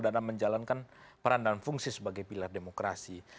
dan menjalankan peran dan fungsi sebagai pilihan demokrasi